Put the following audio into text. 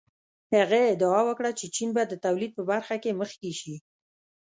هغه ادعا وکړه چې چین به د تولید په برخه کې مخکې شي.